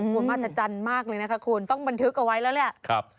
มหัศจรรย์มากเลยนะคะคุณต้องบันทึกเอาไว้แล้วแหละ